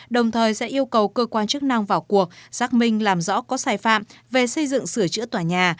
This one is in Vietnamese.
đồng thời sẽ yêu cầu cơ quan chức năng vào cuộc xác minh làm rõ có sai phạm về xây dựng sửa chữa tòa nhà